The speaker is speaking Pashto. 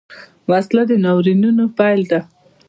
وسله د ناورینونو پیل ده